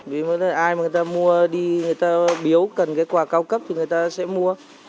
vì mới là ai mà người ta mua đi người ta biếu cần cái quà cao cấp thì người ta sẽ mua